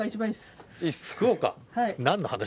福岡？